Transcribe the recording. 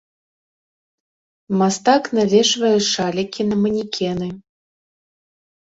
Мастак навешвае шалікі на манекены.